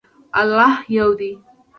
الله یو دی.